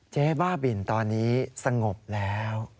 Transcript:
เจ๊บ้าบินตอนนี้สงบแล้ว